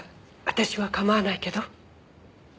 私は構わないけど。